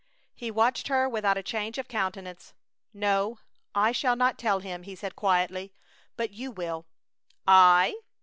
He watched her without a change of countenance. "No, I shall not tell him," he said, quietly; "but you will!" "I?"